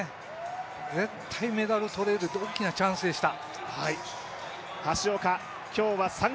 絶対メダル取れる大きなチャンスでした。